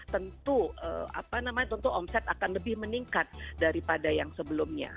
tentu omset akan lebih meningkat daripada yang sebelumnya